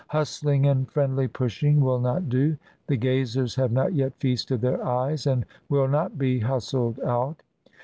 Hustling and friendly pushing will not do — the gazers have not yet feasted their eyes, and will not be hustled out.